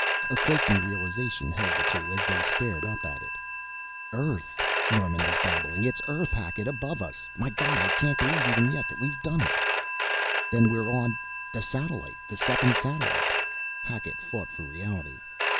A quaking realization held the two as they stared up at it. "Earth!" Norman was babbling. "It's Earth, Hackett above us; my God, I can't believe even yet that we've done it!" "Then we're on the satellite the second satellite! " Hackett fought for reality.